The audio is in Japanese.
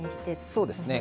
そうですね。